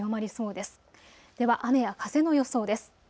では雨や風の予想です。